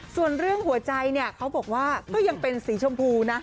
ส่วนเรื่องหัวใจเนี่ยเขาบอกว่าก็ยังเป็นสีชมพูนะ